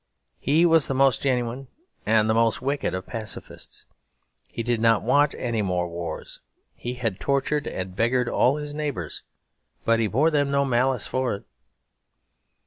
He was the most genuine and the most wicked of pacifists. He did not want any more wars. He had tortured and beggared all his neighbours; but he bore them no malice for it.